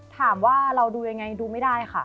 ถามว่าเราดูยังไงดูไม่ได้ค่ะ